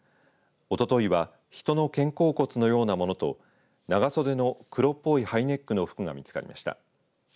おとといは人の肩甲骨のようなものと長袖の黒っぽいハイネックの服が見つかりました。